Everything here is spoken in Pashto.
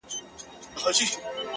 ما ويل وېره مي پر زړه پرېوته-